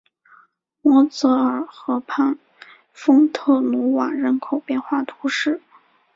摩泽尔河畔丰特努瓦人口变化图示